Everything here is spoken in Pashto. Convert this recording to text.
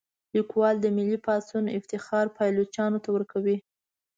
لیکوال د ملي پاڅون افتخار پایلوچانو ته ورکوي.